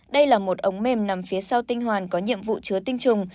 đây là một ống mềm nằm phía sau tinh hoàn có nhiệm vụ chứa tinh trùng